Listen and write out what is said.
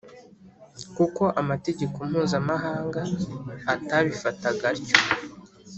kuko amategeko mpuzamahanga atabifataga atyo